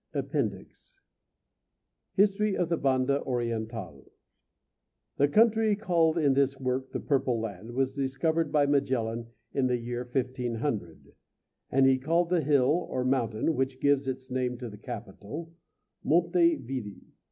APPENDIX HISTORY OF THE BANDA ORIENTÁL The country, called in this work the Purple Land, was discovered by Magellan in the year 1500, and he called the hill, or mountain, which gives its name to the capital, Monte Vidi.